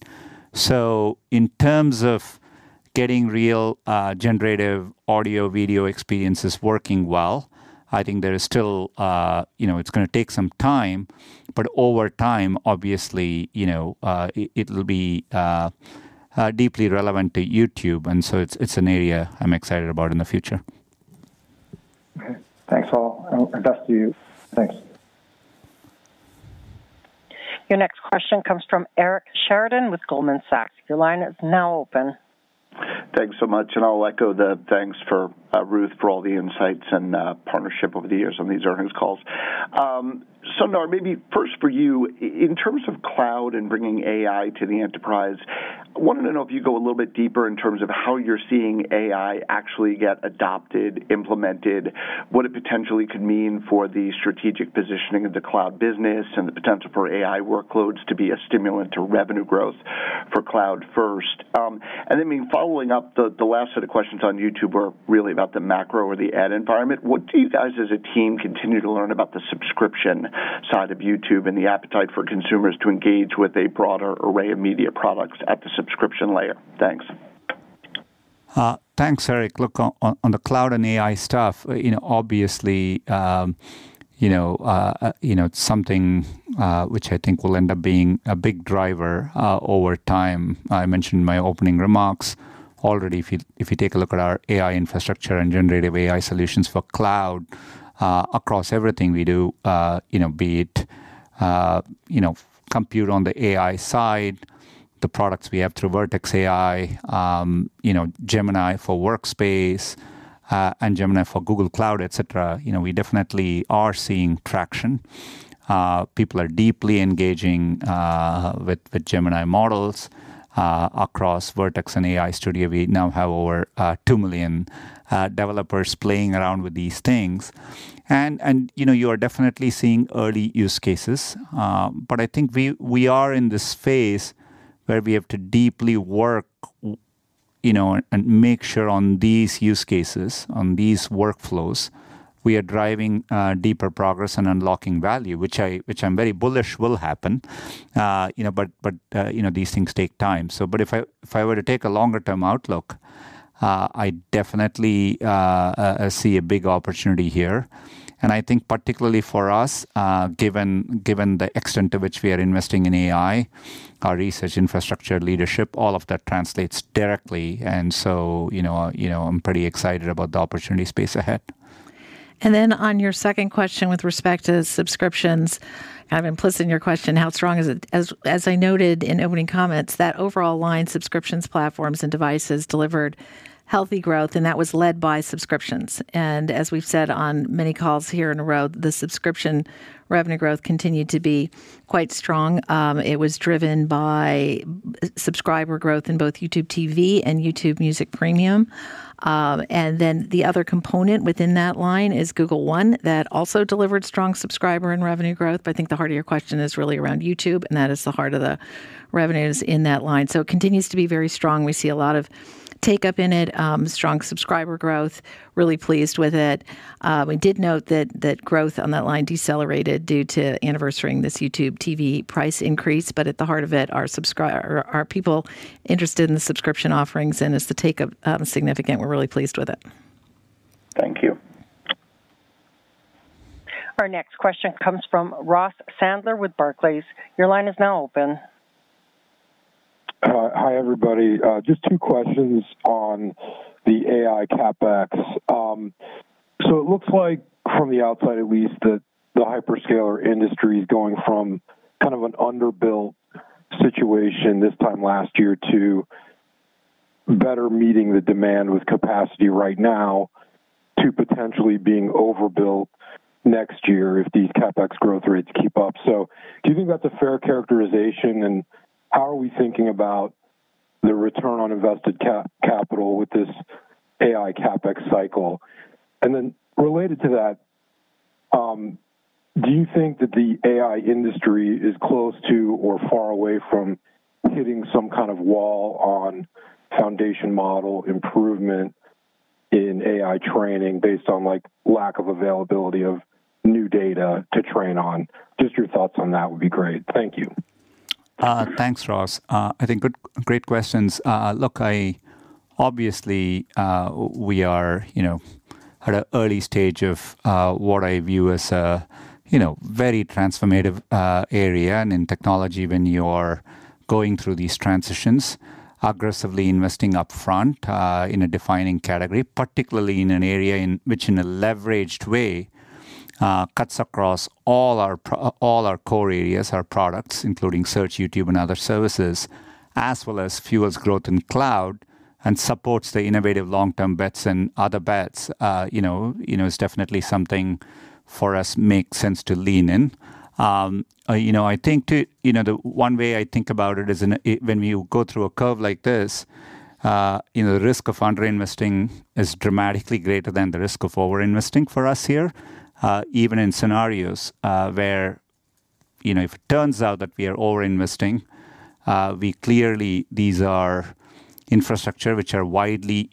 So in terms of getting real generative audio-video experiences working well, I think there is still it's going to take some time. But over time, obviously, it will be deeply relevant to YouTube. And so it's an area I'm excited about in the future. Okay. Thanks all. And best to you. Thanks. Your next question comes from Eric Sheridan with Goldman Sachs. Your line is now open. Thanks so much. And I'll echo the thanks for Ruth for all the insights and partnership over the years on these earnings calls. Sundar, maybe first for you, in terms of Cloud and bringing AI to the enterprise, I wanted to know if you go a little bit deeper in terms of how you're seeing AI actually get adopted, implemented, what it potentially could mean for the strategic positioning of the Cloud business, and the potential for AI workloads to be a stimulant to revenue growth for Cloud first. And then following up, the last set of questions on YouTube were really about the macro or the ad environment. What do you guys as a team continue to learn about the subscription side of YouTube and the appetite for consumers to engage with a broader array of media products at the subscription layer? Thanks. Thanks, Eric. Look, on the Cloud and AI stuff, obviously, it's something which I think will end up being a big driver over time. I mentioned in my opening remarks already. If you take a look at our AI infrastructure and generative AI solutions for Cloud across everything we do, be it compute on the AI side, the products we have through Vertex AI, Gemini for Workspace, and Gemini for Google Cloud, et cetera, we definitely are seeing traction. People are deeply engaging with Gemini models across Vertex and AI Studio. We now have over 2 million developers playing around with these things. And you are definitely seeing early use cases. But I think we are in this phase where we have to deeply work and make sure on these use cases, on these workflows, we are driving deeper progress and unlocking value, which I'm very bullish will happen, but these things take time. If I were to take a longer-term outlook, I definitely see a big opportunity here. I think particularly for us, given the extent to which we are investing in AI, our research infrastructure, leadership, all of that translates directly, so I'm pretty excited about the opportunity space ahead. Then on your second question with respect to subscriptions, kind of implicit in your question, how strong is it? As I noted in opening comments, that overall line, Subscriptions, Platforms, and Devices delivered healthy growth, and that was led by subscriptions. As we've said on many calls here in a row, the Subscription revenue growth continued to be quite strong. It was driven by subscriber growth in both YouTube TV and YouTube Music Premium. And then the other component within that line is Google One that also delivered strong subscriber and revenue growth. But I think the heart of your question is really around YouTube, and that is the heart of the revenues in that line. So it continues to be very strong. We see a lot of take-up in it, strong subscriber growth, really pleased with it. We did note that growth on that line decelerated due to anniversarying this YouTube TV price increase. But at the heart of it are people interested in the subscription offerings, and is the take-up significant? We're really pleased with it. Thank you. Our next question comes from Ross Sandler with Barclays. Your line is now open. Hi, everybody. Just two questions on the AI CapEx. So it looks like from the outside, at least, that the hyperscaler industry is going from kind of an underbuilt situation this time last year to better meeting the demand with capacity right now to potentially being overbuilt next year if these CapEx growth rates keep up. So do you think that's a fair characterization? And how are we thinking about the return on invested capital with this AI CapEx cycle? And then related to that, do you think that the AI industry is close to or far away from hitting some kind of wall on foundation model improvement in AI training based on lack of availability of new data to train on? Just your thoughts on that would be great. Thank you. Thanks, Ross. I think great questions. Look, obviously, we are at an early stage of what I view as a very transformative area. And in technology when you are going through these transitions, aggressively investing upfront in a defining category, particularly in an area which in a leveraged way cuts across all our core areas, our products, including Search, YouTube, and other services, as well as fuels growth in Cloud and supports the innovative long-term bets and Other Bets. It's definitely something for us makes sense to lean in. I think the one way I think about it is when we go through a curve like this, the risk of underinvesting is dramatically greater than the risk of overinvesting for us here, even in scenarios where if it turns out that we are overinvesting, clearly these are infrastructure which are widely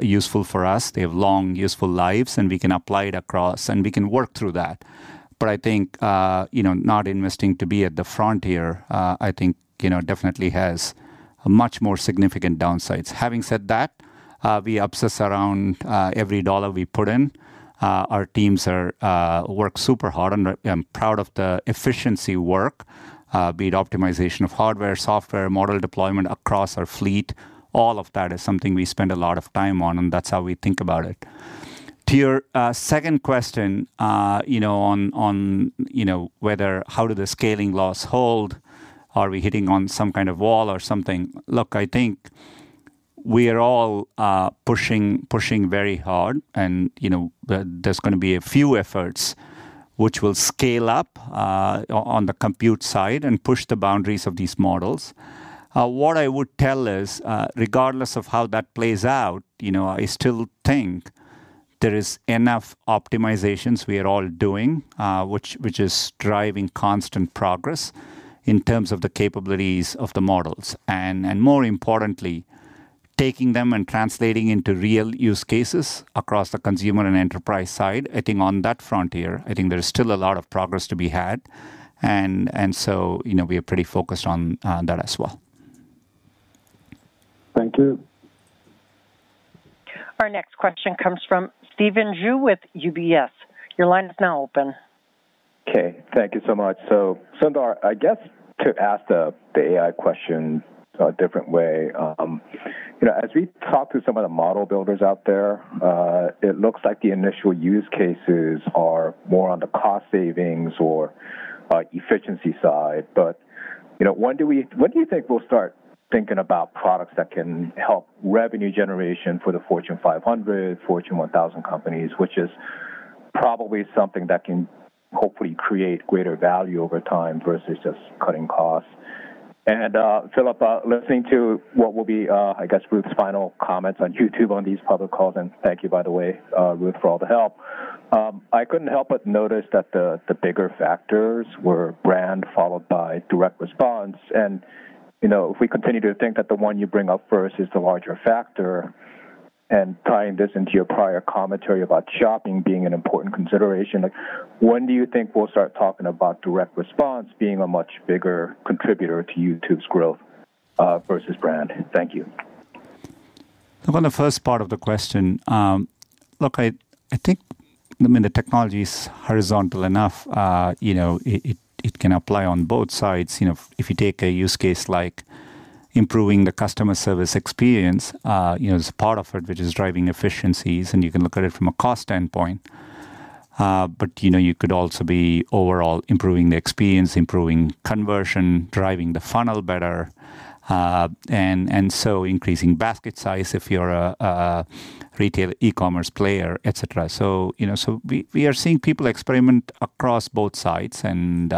useful for us. They have long useful lives, and we can apply it across, and we can work through that. But I think not investing to be at the frontier, I think definitely has much more significant downsides. Having said that, we obsess around every dollar we put in. Our teams work super hard, and I'm proud of the efficiency work, be it optimization of hardware, software, model deployment across our fleet. All of that is something we spend a lot of time on, and that's how we think about it. To your second question on whether how do the scaling laws hold? Are we hitting on some kind of wall or something? Look, I think we are all pushing very hard, and there's going to be a few efforts which will scale up on the compute side and push the boundaries of these models. What I would tell is, regardless of how that plays out, I still think there is enough optimizations we are all doing, which is driving constant progress in terms of the capabilities of the models, and more importantly, taking them and translating into real use cases across the consumer and enterprise side. I think on that frontier, I think there is still a lot of progress to be had, and so we are pretty focused on that as well. Thank you. Our next question comes from Stephen Ju with UBS. Your line is now open. Okay. Thank you so much, so Sundar, I guess to ask the AI question a different way, as we talk to some of the model builders out there, it looks like the initial use cases are more on the cost savings or efficiency side. But when do you think we'll start thinking about products that can help revenue generation for the Fortune 500, Fortune 1000 companies, which is probably something that can hopefully create greater value over time versus just cutting costs? And Philipp, listening to what will be, I guess, Ruth's final comments on YouTube on these public calls, and thank you, by the way, Ruth, for all the help, I couldn't help but notice that the bigger factors were brand followed by direct response. And if we continue to think that the one you bring up first is the larger factor, and tying this into your prior commentary about Shopping being an important consideration, when do you think we'll start talking about direct response being a much bigger contributor to YouTube's growth versus brand? Thank you. On the first part of the question, look, I think the technology is horizontal enough. It can apply on both sides. If you take a use case like improving the customer service experience, there's a part of it which is driving efficiencies, and you can look at it from a cost standpoint. But you could also be overall improving the experience, improving conversion, driving the funnel better, and so increasing basket size if you're a retail e-commerce player, et cetera. So we are seeing people experiment across both sides. And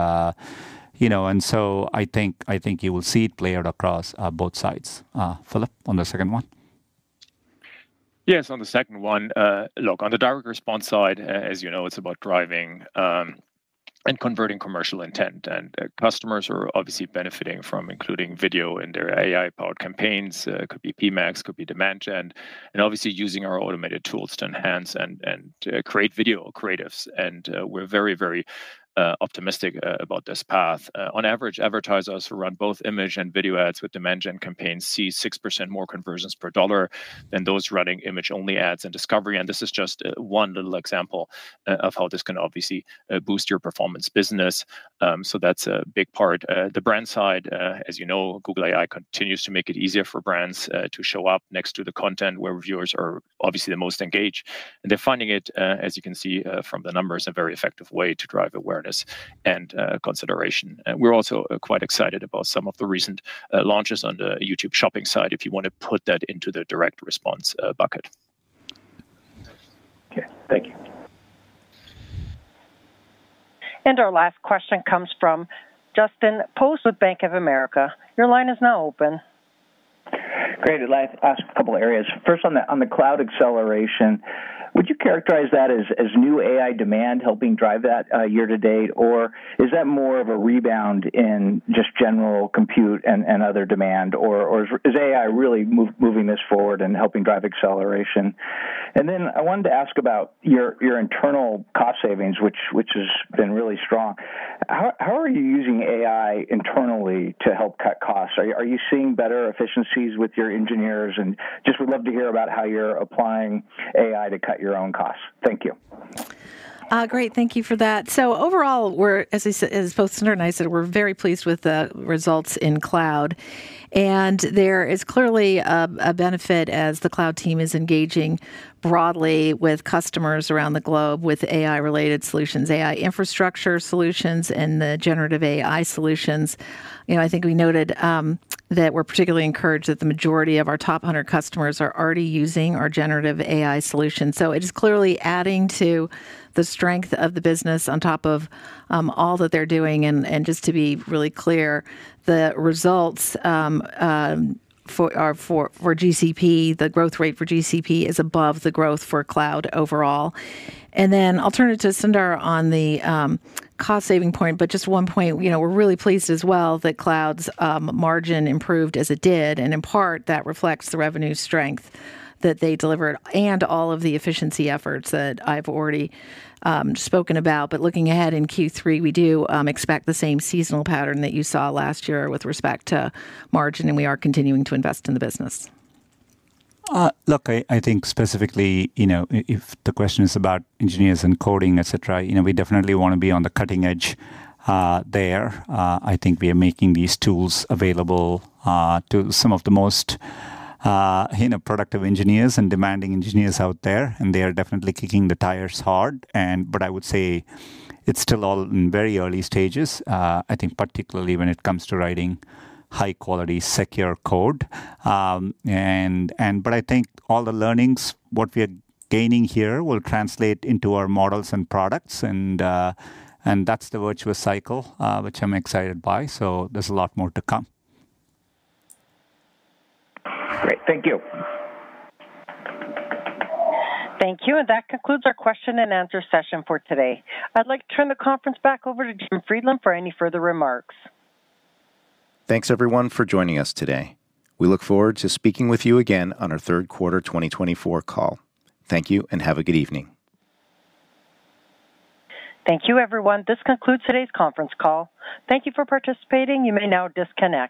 so I think you will see it played out across both sides. Philipp, on the second one? Yes, on the second one. Look, on the direct response side, as you know, it's about driving and converting commercial intent. And customers are obviously benefiting from including video in their AI-powered campaigns. It could be PMax, could be Demand Gen, and obviously using our automated tools to enhance and create video creatives. And we're very, very optimistic about this path. On average, advertisers who run both image and video ads with Demand Gen campaigns see 6% more conversions per dollar than those running image-only ads and Discovery. And this is just one little example of how this can obviously boost your performance business. So that's a big part. The brand side, as you know, Google AI continues to make it easier for brands to show up next to the content where viewers are obviously the most engaged. And they're finding it, as you can see from the numbers, a very effective way to drive awareness and consideration. We're also quite excited about some of the recent launches on the YouTube Shopping side if you want to put that into the direct response bucket. Okay. Thank you. And our last question comes from Justin Post with Bank of America. Your line is now open. Great. I'd like to ask a couple of areas. First, on the Cloud acceleration, would you characterize that as new AI demand helping year-to-date? Or is that more of a rebound in just general compute and other demand? Or is AI really moving this forward and helping drive acceleration? And then I wanted to ask about your internal cost savings, which has been really strong. How are you using AI internally to help cut costs? Are you seeing better efficiencies with your engineers? And just would love to hear about how you're applying AI to cut your own costs. Thank you. Great. Thank you for that. So overall, as both Sundar and I said, we're very pleased with the results in Cloud. There is clearly a benefit as the Cloud team is engaging broadly with customers around the globe with AI-related solutions, AI infrastructure solutions, and the generative AI solutions. I think we noted that we're particularly encouraged that the majority of our top 100 customers are already using our generative AI solutions. It is clearly adding to the strength of the business on top of all that they're doing. Just to be really clear, the results for GCP, the growth rate for GCP is above the growth for Cloud overall. Then I'll turn it to Sundar on the cost saving point, but just one point. We're really pleased as well that Cloud's margin improved as it did. In part, that reflects the revenue strength that they delivered and all of the efficiency efforts that I've already spoken about. But looking ahead in Q3, we do expect the same seasonal pattern that you saw last year with respect to margin, and we are continuing to invest in the business. Look, I think specifically if the question is about engineers and coding, et cetera, we definitely want to be on the cutting edge there. I think we are making these tools available to some of the most productive engineers and demanding engineers out there. And they are definitely kicking the tires hard. But I would say it's still all in very early stages, I think particularly when it comes to writing high-quality, secure code. But I think all the learnings, what we are gaining here will translate into our models and products. And that's the virtuous cycle, which I'm excited by. So there's a lot more to come. Great. Thank you. Thank you. And that concludes our question and answer session for today. I'd like to turn the conference back over to Jim Friedland for any further remarks. Thanks, everyone, for joining us today. We look forward to speaking with you again on our third quarter 2024 call. Thank you, and have a good evening. Thank you, everyone. This concludes today's conference call. Thank you for participating. You may now disconnect.